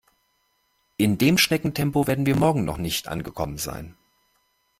In dem Schneckentempo werden wir morgen noch nicht angekommen sein.